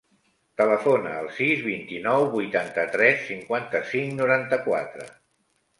Telefona al sis, vint-i-nou, vuitanta-tres, cinquanta-cinc, noranta-quatre.